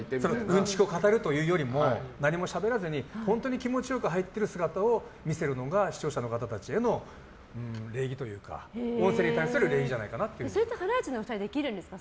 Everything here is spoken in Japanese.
うんちくを語るというよりも何もしゃべらずに本当に気持ちよく入ってる姿を見せるのが視聴者の方たちへの礼儀というかそれってハライチの皆さんできるんですか。